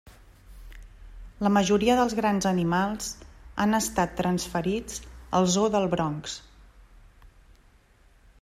La majoria dels grans animals han estat transferits al zoo del Bronx.